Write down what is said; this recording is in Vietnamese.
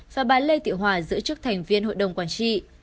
và bà lê thị hòa giữ chức thành viên hội đồng quản trị